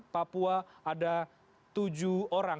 papua ada tujuh orang